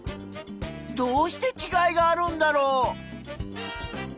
どうしてちがいがあるんだろう？